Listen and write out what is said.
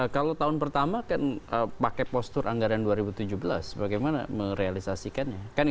kalau tahun pertama kan pakai postur anggaran dua ribu tujuh belas bagaimana merealisasikannya